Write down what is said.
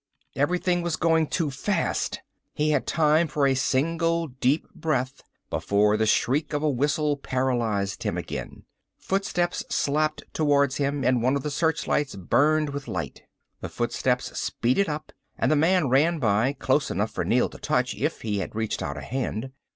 Everything was going too fast. He had time for a single deep breath before the shriek of a whistle paralyzed him again. Footsteps slapped towards him and one of the searchlights burned with light. The footsteps speeded up and the man ran by, close enough for Neel to touch if he had reached out a hand.